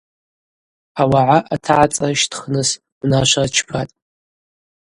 Ауагӏа атагӏацӏырщтхныс унашва рчпатӏ.